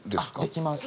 できます。